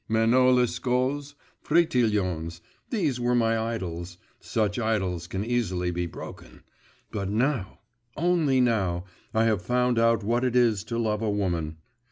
Manon Lescauts, Fritilions, these were my idols such idols can easily be broken; but now … only now, I have found out what it is to love a woman.